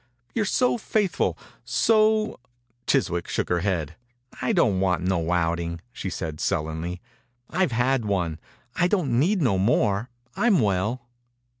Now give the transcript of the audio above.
You are so faithful, so —" Chiswick shook her head. "I don't want no outing," she said, sullenly. "I've had one. I don't need no more. I 'm well."